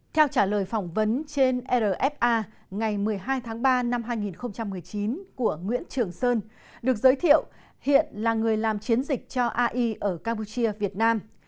theo trả lời phỏng vấn trên rfa ngày một mươi hai tháng ba năm hai nghìn một mươi chín của nguyễn trường sơn được giới thiệu hiện là người làm chiến dịch cho ai ở campuchia việt nam